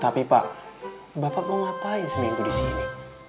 tapi pak bapak mau ngapain seminggu di sini